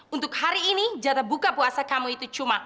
untuk hari ini jatah buka puasa kamu itu cuma